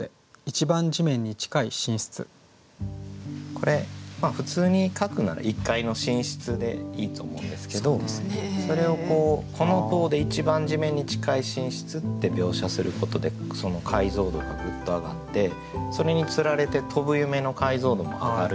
これ普通に書くなら「１階の寝室」でいいと思うんですけどそれを「この棟で一番地面に近い寝室」って描写することでその解像度がグッと上がってそれにつられて「飛ぶ夢」の解像度も上がるような感覚が。